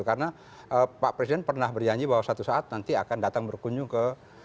karena pak presiden pernah berjanji bahwa satu saat nanti akan datang berkunjung ke